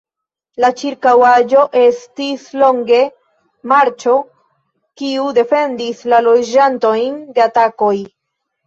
La ĉirkaŭaĵo estis longe marĉo, kiu defendis la loĝantojn de atakoj.